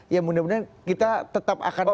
ya mudah mudahan kita tetap akan